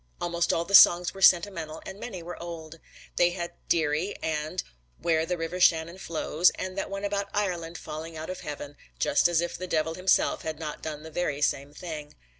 Almost all the songs were sentimental and many were old. They had "Dearie," and "Where the River Shannon Flows," and that one about Ireland falling out of Heaven (just as if the devil himself had not done the very same thing).